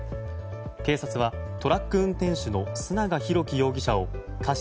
警察はトラック運転手の須永浩基容疑者を過失